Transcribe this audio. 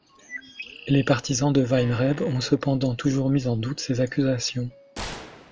Les partisans de Weinreb ont cependant toujours mis en doute ces accusations.